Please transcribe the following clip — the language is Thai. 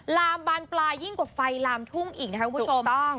ลามบานปลายิ่งกว่าไฟลามทุ่งอีกนะคะคุณผู้ชมถูกต้อง